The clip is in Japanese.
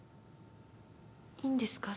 いいんですか？